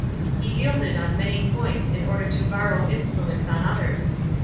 He yielded on many points in order to borro v influence on others.